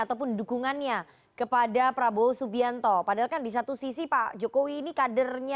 ataupun dukungannya kepada prabowo subianto padahal kan di satu sisi pak jokowi ini kadernya